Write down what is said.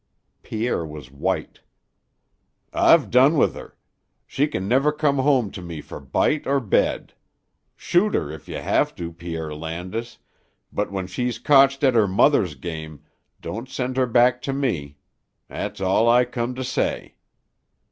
Pierre was white. "I've done with her. She kin never come to me fer bite or bed. Shoot her if you hev to, Pierre Landis, but when she's kotched at her mother's game, don't send her back to me. That's all I come to say."